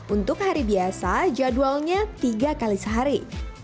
untuk hari biasa jadwalnya tiga kali sehari